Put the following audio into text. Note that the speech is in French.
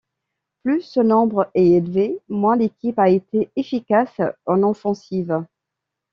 Plus ce nombre est élevé, moins l'équipe a été efficace en offensive.